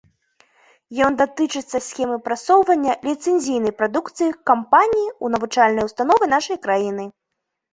Ён датычыць схемы прасоўвання ліцэнзійнай прадукцыі кампаніі ў навучальныя ўстановы нашай краіны.